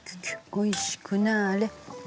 おいしくなーれ。